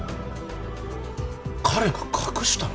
彼が隠したのか。